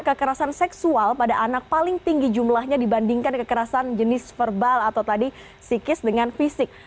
kekerasan seksual pada anak paling tinggi jumlahnya dibandingkan kekerasan jenis verbal atau tadi psikis dengan fisik